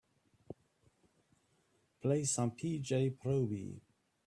Play some P. J. Proby